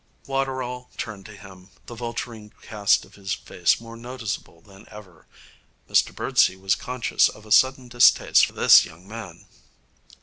Waterall turned to him, the vulturine cast of his face more noticeable than ever. Mr Birdsey was conscious of a sudden distaste for this young man.